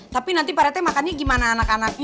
tapi nanti pak rate makannya gimana anak anaknya